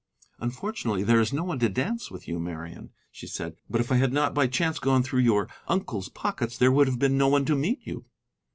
"Unfortunately there is no one to dance with you, Marian," she said; "but if I had not by chance gone through your uncle's pockets, there would have been no one to meet you."